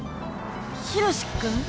ヒロシ君？